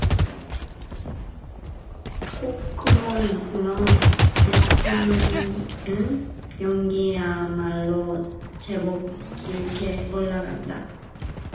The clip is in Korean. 콧구멍으로 내뿜는 연기야말로 제법 길게 올라간다.